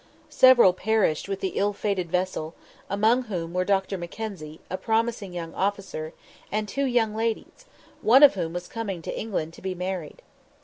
Several perished with the ill fated vessel, among whom were Dr. Mackenzie, a promising young officer, and two young ladies, one of whom was coming to England to be married.